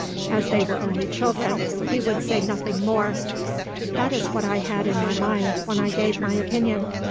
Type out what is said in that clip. As they were only children, he would say nothing more. That is what I had in my mind, when I gave my opinion.